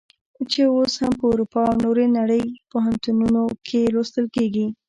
چې اوس هم په اروپا او نورې نړۍ پوهنتونونو کې لوستل کیږي.